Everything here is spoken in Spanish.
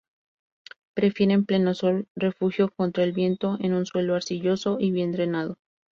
Prefieren pleno sol, refugio contra el viento, en un suelo arcilloso y bien drenado.